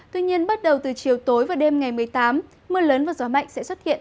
tuy nhiên bắt đầu từ chiều tối và đêm ngày một mươi tám mưa lớn và gió mạnh sẽ xuất hiện